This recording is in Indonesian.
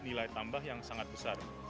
nilai tambah yang sangat besar